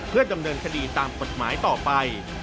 เพื่อจำเดินคดีตามปฏิบัติหมายต่อไป